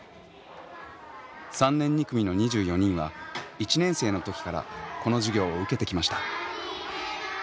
３年２組の２４人は１年生の時からこの授業を受けてきました。